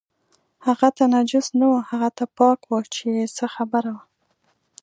هغه ته نجس نه و، هغه ته پاک و چې څه خبره وه.